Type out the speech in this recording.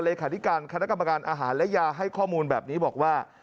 เลขาธิการคณะกรรมการอาหารและยาให้ข้อมูลแบบนี้บอกว่า